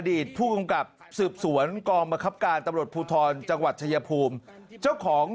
ผู้กำกับสืบสวนกองบังคับการตำรวจภูทรจังหวัดชายภูมิเจ้าของ